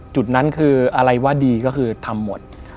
จุดนั้นคืออะไรว่าดีก็คือทำหมด